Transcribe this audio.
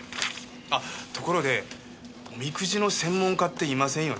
あっところでおみくじの専門家っていませんよね？